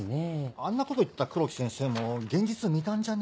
あんなこと言った黒木先生も現実見たんじゃね？